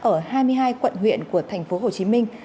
ở hai mươi hai quận huyện của thành phố hồ chí minh